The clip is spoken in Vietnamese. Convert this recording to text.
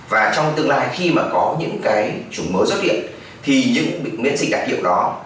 và trong tương lai khi mà có những cái chủng mới xuất hiện thì những miễn dịch đặc hiệu đó